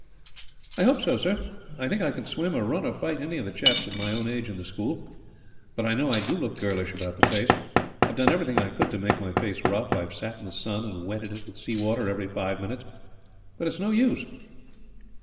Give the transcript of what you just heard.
"I hope so, sir. I think I can swim or run or fight any of the chaps of my own age in the school; but I know I do look girlish about the face. I have done everything I could to make my face rough. I have sat in the sun, and wetted it with sea water every five minutes, but it's no use."